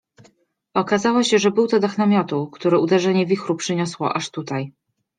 Okazało się, że był to dach namiotu, który uderzenie wichru przyniosło aż tutaj.